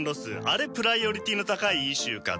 あれプライオリティーの高いイシューかと。